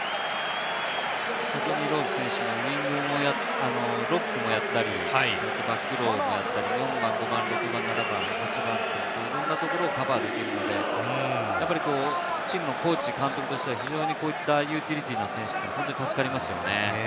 ロウズ選手、ウイングもプロップもやったりバックローもやったり、いろんなところをカバーできるのでチームのコーチ、監督としては非常にこういったユーティリティーな選手、助かりますよね。